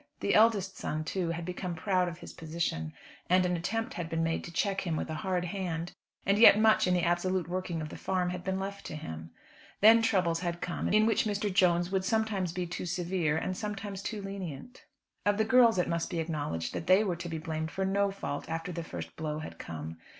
The eldest son, too, had become proud of his position, and an attempt had been made to check him with a hard hand; and yet much in the absolute working of the farm had been left to him. Then troubles had come, in which Mr. Jones would be sometimes too severe, and sometimes too lenient. Of the girls it must be acknowledged that they were to be blamed for no fault after the first blow had come.